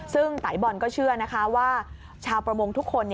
ซึ่งไตบอลก็เชื่อนะคะว่าชาวประมงทุกคน